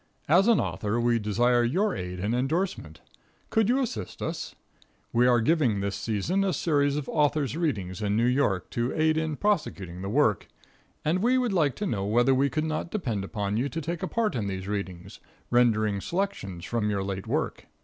As an author we desire your aid and endorsement. Could you assist us? We are giving this season a series of authors' readings in New York to aid in prosecuting the work, and we would like to know whether we could not depend upon you to take a part in these readings, rendering selections from your late work.